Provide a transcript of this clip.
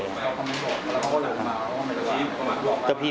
ก็เลยให้ผมไปรอที่โรงพยาบาล